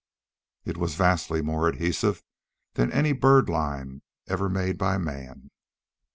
It was vastly more adhesive than any bird lime ever made by men.